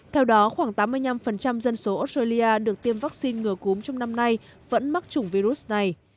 theo đó khoảng tám mươi năm dân số australia được tiêm vaccine ngừa cúm trong năm nay vẫn mắc chủng virus này